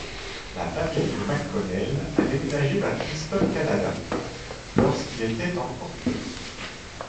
La famille de McConnell a déménagé vers Kinsgton, Canada, lorsqu'il était encore tout petit.